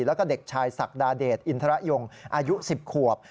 แล้วก็เด็กชายศักดาเดชอินทรยงอายุ๑๐ขวบ